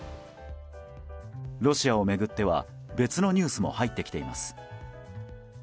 ロシアを巡っては別のニュースも入ってきています。